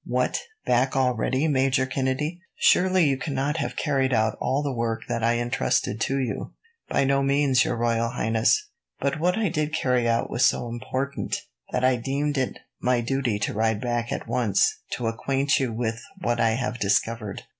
"What! Back already, Major Kennedy? Surely you cannot have carried out all the work that I entrusted to you?" "By no means, Your Royal Highness; but what I did carry out was so important that I deemed it my duty to ride back at once, to acquaint you with what I have discovered.